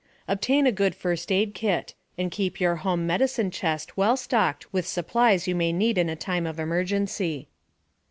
Obtain a good first aid kit, and keep your home medicine chest well stocked with supplies you may need in a time of emergency.